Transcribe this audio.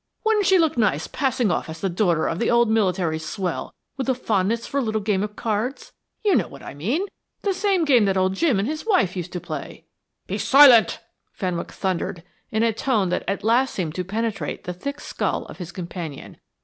Wouldn't she look nice passing off as the daughter of the old military swell with a fondness for a little game of cards? You know what I mean the same game that old Jim and his wife used to play." "Be silent," Fenwick thundered in a tone that at last seemed to penetrate the thick skull of his companion.